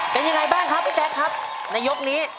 เป็นยังไงบ้างครับพี่แจ๊คครับในยกนี้